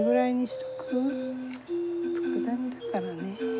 つくだ煮だからね。